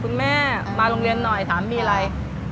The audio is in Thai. คุณแม่มาโรงเรียนหน่อยถามมีอะไร